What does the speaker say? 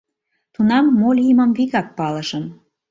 Тунам мо лиймым вигак палышым.